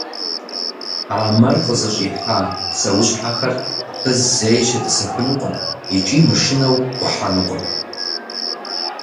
А мэр къызыщӏихьэ псэущхьэхэр абы зэи щетӏысэхынукъым икӏи, мышынэу, ӏухьэнукъым.